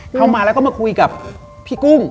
เข้ามาแล้วก็มาคุยกับพี่กุ้ง